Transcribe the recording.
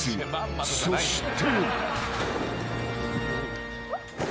［そして］